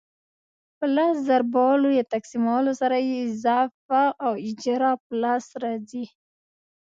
په لس ضربولو یا تقسیمولو سره یې اضعاف او اجزا په لاس راځي.